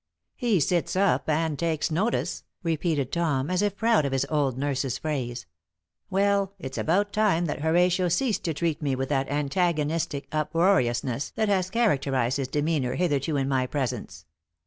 "He sits up and takes notice," repeated Tom, as if proud of his old nurse's phrase. "Well, it's about time that Horatio ceased to treat me with that antagonistic uproariousness that has characterized his demeanor hitherto in my presence.